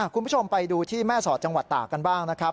คุณผู้ชมไปดูที่แม่สอดจังหวัดตากกันบ้างนะครับ